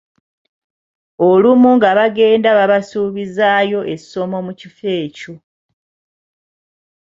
Olumu nga bagenda babasuubizaayo essomo mu kifo ekyo.